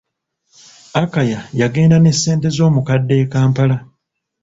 Akaya yagenda ne ssente z'omukadde e kampala.